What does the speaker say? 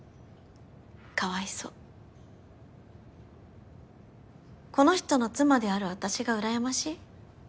かわいそうこの人の妻である私が羨ましい？